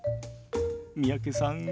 三宅さん